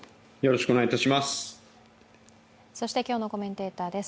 そして今日のコメンテーターです